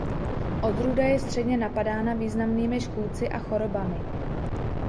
Odrůda je středně napadána významnými škůdci a chorobami.